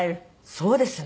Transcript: そうですね。